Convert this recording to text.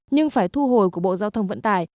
nhưng phải thu hồi của bộ giao thông vận tải